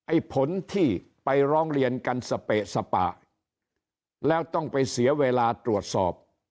ผลที่ไปร้องเรียนกันสเปะสปะแล้วต้องไปเสียเวลาตรวจสอบ